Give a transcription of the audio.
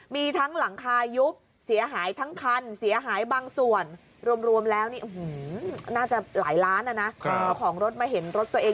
มีทั้งหลังคายุบเสียหายทั้งคันเสียหายบางส่วน